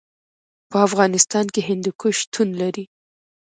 په افغانستان کې هندوکش شتون لري.